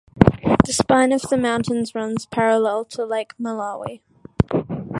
The spine of the mountains runs parallel to Lake Malawi.